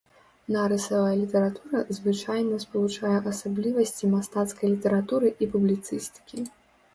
Нарысавая літаратура звычайна спалучае асаблівасці мастацкай літаратуры і публіцыстыкі.